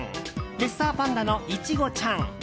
レッサーパンダのイチゴちゃん。